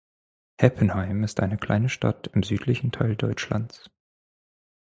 Heppenheim ist eine kleine Stadt im südlichen Teil Deutschlands.